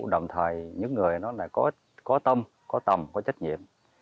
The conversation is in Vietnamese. đồng thời những người có tâm có tầm có trách nhiệm